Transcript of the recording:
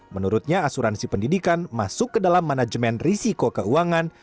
menurutnya asuransi pendidikan masuk ke dalam manajemen risiko keuangan